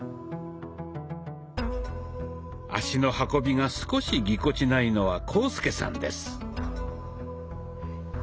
足の運びが少しぎこちないのは浩介さんです。